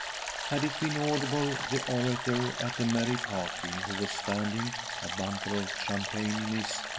" Had it been audible, the orator at a merry party, who was standing, a bumper of champagne in his